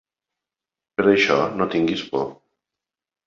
Per això no tinguis por.